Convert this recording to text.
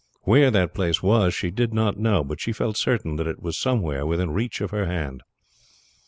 Where that place was she did not know, but she felt certain that it was somewhere within reach of her hand.